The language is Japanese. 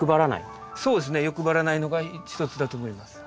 そうですね。欲張らないのが一つだと思います。